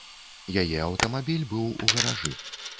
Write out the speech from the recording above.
Яе аўтамабіль быў у гаражы.